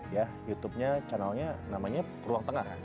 youtube nya channel nya namanya ruang tengah